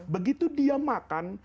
begitu dia makan